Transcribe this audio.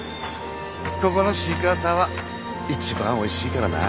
ここのシークワーサーは一番おいしいからな。